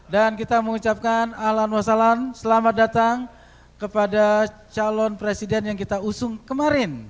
dan kita mengucapkan alhamdulillah selamat datang kepada calon presiden yang kita usung kemarin